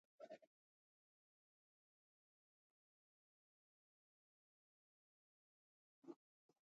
هغه د چا سترګې او لاسونه غوڅ کړې.